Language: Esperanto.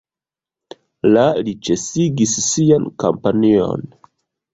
La li ĉesigis sian kampanjon.